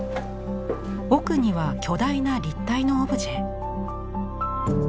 奥には巨大な立体のオブジェ。